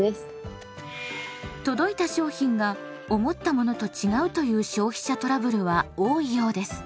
届いた商品が思ったものと違うという消費者トラブルは多いようです。